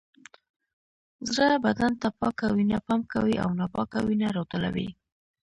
زړه بدن ته پاکه وینه پمپ کوي او ناپاکه وینه راټولوي